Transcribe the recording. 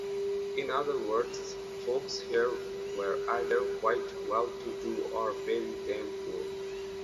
In other words, folks here were either quite well-to-do or very damn poor.